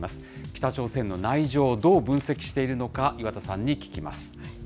北朝鮮の内情、どう分析しているのか、岩田さんに聞きます。